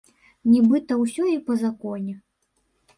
Нібыта ўсё і па законе.